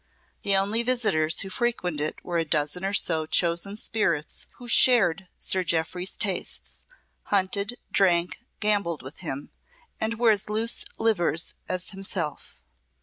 The only visitors who frequented it were a dozen or so chosen spirits who shared Sir Jeoffry's tastes hunted, drank, gambled with him, and were as loose livers as himself.